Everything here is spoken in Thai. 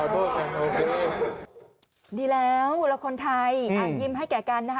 ดีแล้วอุลาคนไทยยิ้มให้แก่กัน